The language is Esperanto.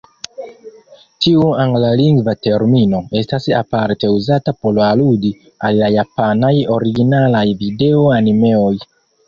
Tiu anglalingva termino estas aparte uzata por aludi al la japanaj originalaj video-animeoj.